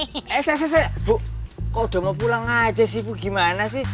eh saya saya saya bu kok udah mau pulang aja sih bu gimana sih